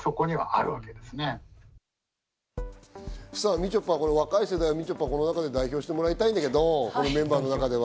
みちょぱ、若い世代、この中で代表してもらいたいんだけど、このメンバーの中では。